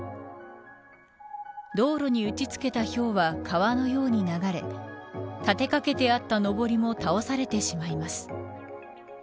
道路に打ちつけたひょうは川のように流れ立てかけてあったのぼりも倒されてしまいます。